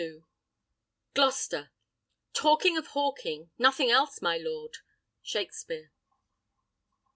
Gloucester. Talking of hawking nothing else, my lord. Shakspere.